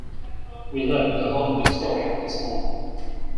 We left the Hotel Victoria this morning.